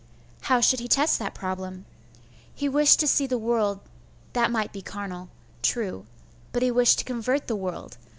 How should he test that problem? He wished to seethe world that might be carnal. True; but, he wished to convert the world....